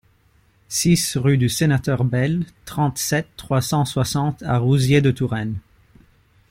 six rue du Sénateur Belle, trente-sept, trois cent soixante à Rouziers-de-Touraine